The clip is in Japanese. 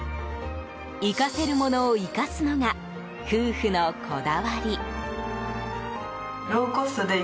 生かせるものを生かすのが夫婦のこだわり。